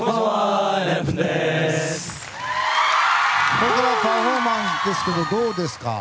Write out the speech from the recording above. これからパフォーマンスですけどどうですか。